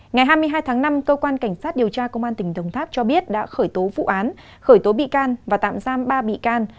ngày hai mươi hai năm cơ quan cảnh sát điều tra công an tp hcm cho biết đã khởi tố vụ án khởi tố bị can và tạm giam ba bị can